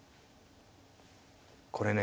これね